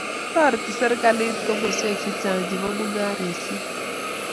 toreti serikalit komoswek chechang' chebo mung'aresiek.